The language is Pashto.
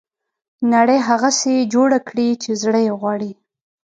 نړۍ هغسې جوړه کړي چې زړه یې غواړي.